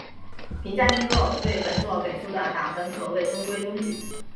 评价机构对本作给出的打分可谓中规中矩。